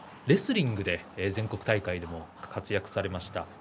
レスリングで全国大会でも活躍されました。